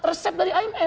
resep dari imf